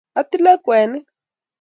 Atile kwenik